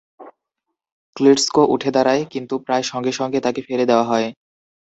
Klitschko উঠে দাঁড়ায় কিন্তু প্রায় সঙ্গে সঙ্গে তাকে ফেলে দেওয়া হয়।